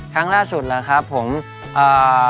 ครั้งล่าสุดเหรอครับผมเอ่อ